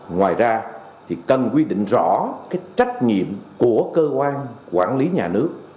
ngoài ra thì cần quy định rõ cái trách nhiệm của cơ quan quản lý nhà nước